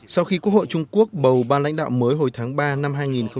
sau khi quốc hội trung quốc bầu ban lãnh đạo mới hồi tháng ba năm hai nghìn hai mươi